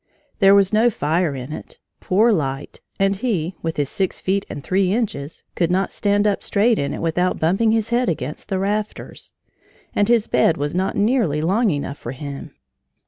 There was no fire in it, poor light, and he, with his six feet and three inches, could not stand up straight in it without bumping his head against the rafters. And his bed was not nearly long enough for him.